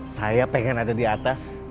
saya pengen ada di atas